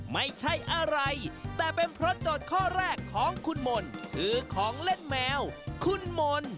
ไม่ใช่อะไรแต่เป็นเพราะโจทย์ข้อแรกของคุณมนต์คือของเล่นแมวคุณมนต์